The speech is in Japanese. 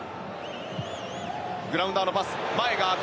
グラウンダーのパス前が空く。